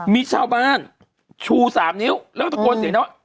มีชาวบ้านชู๓นิ้วแล้วก็ตะโกนเสียงนะว่า